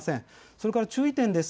それから注意点です。